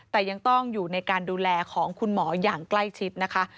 แต่ยังต้องอยู่ในการดูแลของคุณหมออย่างใกล้ชิดนะคะ